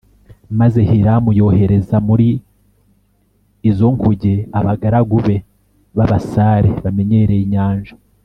Maze Hiramu yohereza muri izo nkuge abagaragu be b’abasare bamenyereye inyanja